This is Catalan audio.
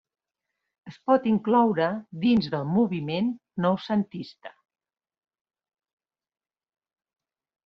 Es pot incloure dins del moviment noucentista.